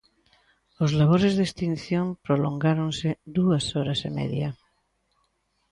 Os labores de extinción prolongáronse dúas horas e media.